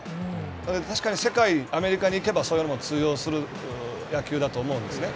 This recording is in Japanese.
だけど確かに世界アメリカに行けばそれも通用する野球だと思うんですね。